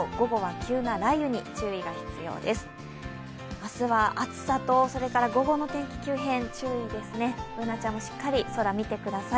明日は暑さと午後の天気急変、注意ですね、Ｂｏｏｎａちゃんもしっかり空見てください。